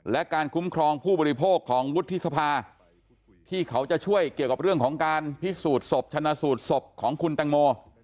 และการคุ้มครองผู้บริโภคของวุฒิสภาที่เขาจะช่วยเกี่ยวกับเรื่องของการพิสูจน์ศพชนะสูตรศพของคุณตังโม